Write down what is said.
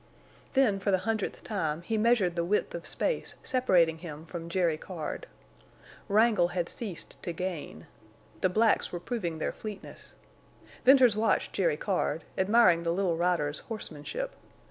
Then for the hundredth time he measured the width of space separating him from Jerry Card. Wrangle had ceased to gain. The blacks were proving their fleetness. Venters watched Jerry Card, admiring the little rider's horsemanship.